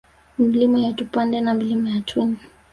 Milima ya Tupande na Milima ya Twin